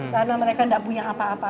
karena mereka tidak punya apa apa